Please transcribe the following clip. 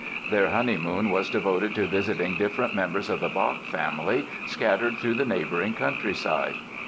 Their honeymoon was devoted to visiting different members of the Bach family scattered through the neighboring countryside.